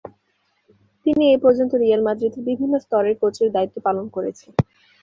তিনি এপর্যন্ত রিয়াল মাদ্রিদের বিভিন্ন স্তরের কোচের দায়িত্ব পালন করেছেন।